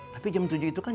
tapi jam tujuh itu kan